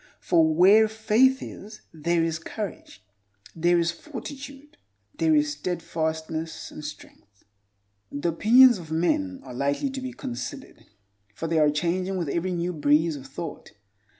For where faith is there is courage, there is fortitude, there is steadfastness and strength. The opinions of men are lightly to be considered, for they are changing with every new breeze of thought.